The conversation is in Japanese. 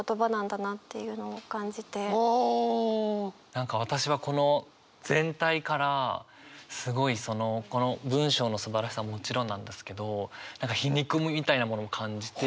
何か私はこの全体からすごいこの文章のすばらしさももちろんなんですけど皮肉みたいなものも感じて。